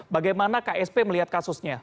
bagaimana ksp melihat kasusnya